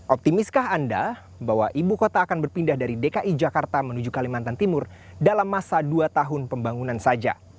optimiskah anda bahwa ibu kota akan berpindah dari dki jakarta menuju kalimantan timur dalam masa dua tahun pembangunan saja